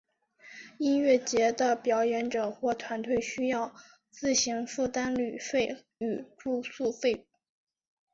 音乐节的表演者或团体需要自行负担旅费与住宿费用。